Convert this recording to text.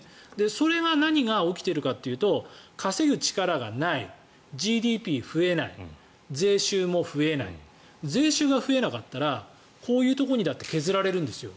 それは何が起きているかというと稼ぐ力がないＧＤＰ増えない税収も増えない税収が増えなかったらこういうところだって削られるんですよ。